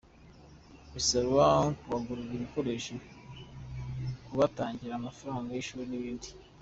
Bisaba kubagurira ibikoresho, kubatangira amafaranga y’ishuri n’ibindi.